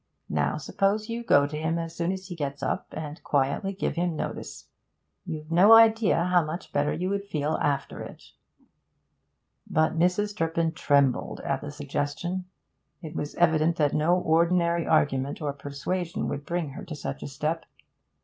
Now, suppose you go to him as soon as he gets up, and quietly give him notice. You've no idea how much better you would feel after it.' But Mrs. Turpin trembled at the suggestion. It was evident that no ordinary argument or persuasion would bring her to such a step.